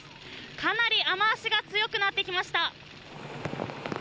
かなり雨足が強くなってきました。